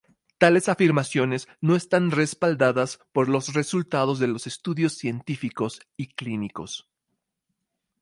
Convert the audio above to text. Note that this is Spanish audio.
Tales afirmaciones no están respaldadas por los resultados de los estudios científicos y clínicos.